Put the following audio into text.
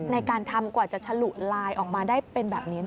ในการทำกว่าจะชะหรุลายออกมาได้คือแบบนี้